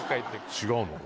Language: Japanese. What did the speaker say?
違うのか。